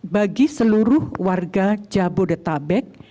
bagi seluruh warga jabodetabek